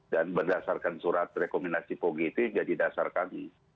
dan berdasarkan surat rekomendasi pog itu jadi dasar kami